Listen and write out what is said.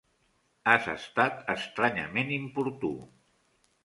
Has estat estranyament importú.